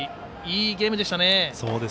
いいゲームでしたね。